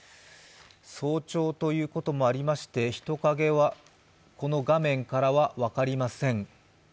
早朝ということもありまして人影はこの画面からは分かりません。